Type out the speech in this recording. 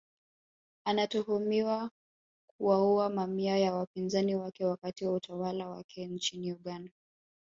Anatuhumiwa kuwaua mamia ya wapinzani wake wakati wa utawala wake nchini Uganda